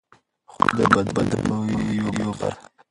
خوله د بدن د بوی یوه برخه ده.